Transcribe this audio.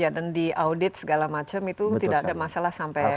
dan di audit segala macam itu tidak ada masalah sampai sekarang